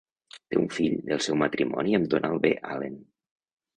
Té un fill, del seu matrimoni amb Donald B. Allen.